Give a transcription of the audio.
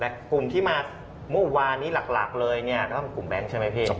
แต่กลุ่มที่มาเมื่อวานนี้หลักเลยเนี่ยก็เป็นกลุ่มแบงค์ใช่ไหมพี่